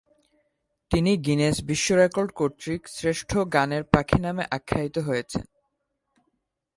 তিনি "গিনেস বিশ্ব রেকর্ড" কর্তৃক "শ্রেষ্ঠ গানের পাখি" নামে আখ্যায়িত হয়েছেন।